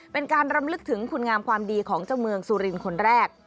เป็นการรำลึกถึงคุณงามความดีของเจ้าเมืองสุรินคนแรก